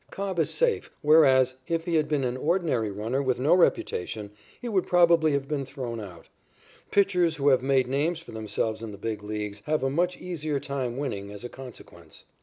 Cobb is safe, whereas, if he had been an ordinary runner with no reputation, he would probably have been thrown out. Pitchers who have made names for themselves in the Big Leagues, have a much easier time winning as a consequence.